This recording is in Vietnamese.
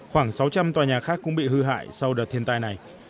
khoảng sáu trăm linh tòa nhà khác cũng bị hư hại sau đợt thiên tai này